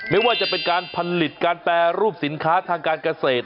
ไม่ว่าจะเป็นการผลิตการแปรรูปสินค้าทางการเกษตร